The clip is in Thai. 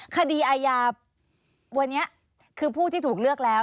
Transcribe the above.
คดีอาญาวันนี้คือผู้ที่ถูกเลือกแล้ว